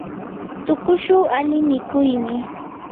tuqushu ali mikuymi.